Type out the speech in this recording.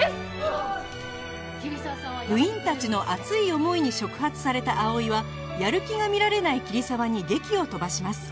部員たちの熱い思いに触発された葵はやる気が見られない桐沢に檄を飛ばします